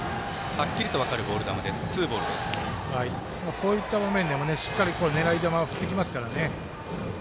こういった場面でもしっかりと狙い球を振ってきますからね。